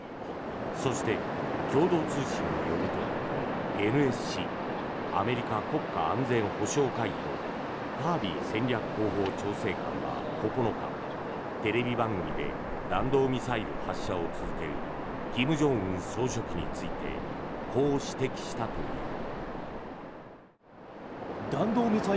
そして、共同通信によるとＮＳＣ・アメリカ国家安全保障会議のカービー戦略広報調整官は、９日テレビ番組で弾道ミサイル発射を続ける金正恩総書記についてこう指摘したという。